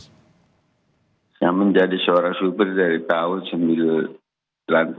saya menjadi seorang supir dari tahun seribu sembilan ratus sembilan puluh an